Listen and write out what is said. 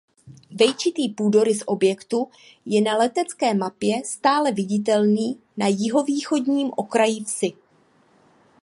Vejčitý půdorys objektu je na letecké mapě stále viditelný na jihovýchodním okraji vsi.